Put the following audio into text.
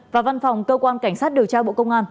và văn phòng cơ quan cảnh sát điều tra bộ công an